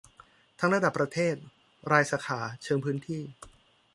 ทั้งระดับประเทศ รายสาขา เชิงพื้นที่